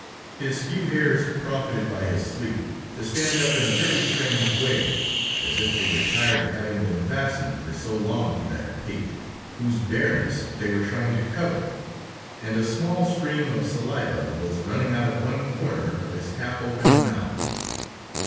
His few hairs profited by his sleep, to stand up in a very strange way, as if they were tired of having been fastened for so long to that pate, whose bareness they were trying to cover, and a small stream of saliva was running out of one corner of his half open mouth.